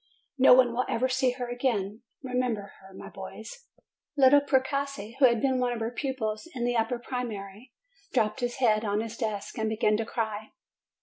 No one will ever see her again. Remember her, my boys !" Little Precossi, who had been one of her pupils in the upper primary, dropped his head on his desk and began to cry.